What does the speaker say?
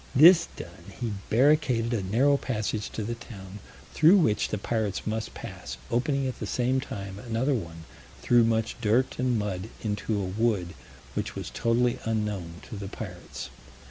This done, he barricaded a narrow passage to the town through which the pirates must pass, opening at the same time another one through much dirt and mud into a wood which was totally unknown to the pirates.